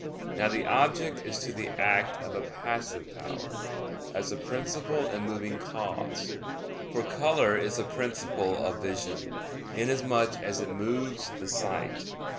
Now, the object is to the act of a passive power, as the principle and moving cause: for color is the principle of vision, inasmuch as it moves the sight.